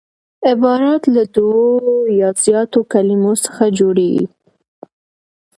عبارت له دوو یا زیاتو کليمو څخه جوړ يي.